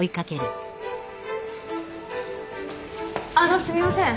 あのうすみません。